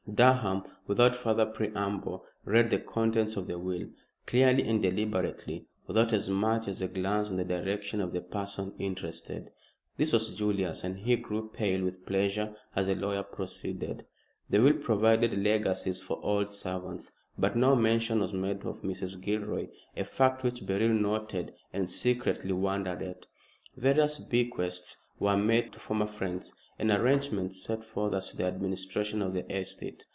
Durham, without further preamble, read the contents of the will, clearly and deliberately, without as much as a glance in the direction of the person interested. This was Julius, and he grew pale with pleasure as the lawyer proceeded. The will provided legacies for old servants, but no mention was made of Mrs. Gilroy, a fact which Beryl noted and secretly wondered at. Various bequests were made to former friends, and arrangements set forth as to the administration of the estate.